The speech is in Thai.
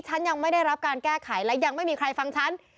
ฉันยังไม่ได้รับการแก้ไขและยังไม่มีใครฟังฉัน